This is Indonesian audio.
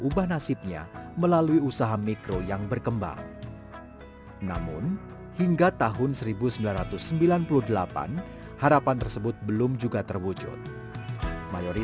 usaha daftar pembelajaran perusahaan yang berkena malah mereka dapat mengatur semua harga para pembahayaan